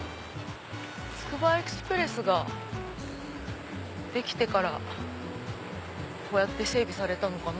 つくばエクスプレスができてからこうやって整備されたのかな。